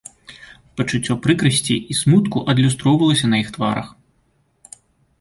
Пачуццё прыкрасці і смутку адлюстроўвалася на іх тварах.